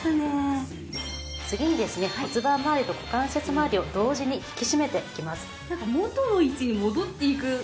次にですね骨盤まわりと股関節まわりを同時に引きしめていきます。